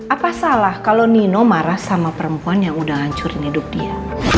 apa salah kalau nino marah sama perempuan yang udah hancurin hidup dia